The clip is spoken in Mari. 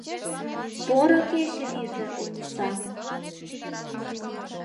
Поро кече лийже, Ониса...